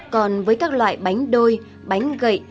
còn với các loại bánh đôi bánh gậy